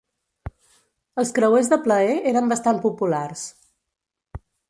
Els creuers de plaer eren bastant populars.